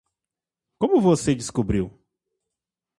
Como você descobriu?